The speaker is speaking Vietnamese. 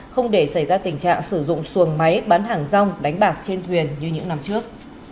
không để xảy ra tình trạng sử dụng xuồng máy bán hàng rong đánh bạc trên thuyền như những năm trước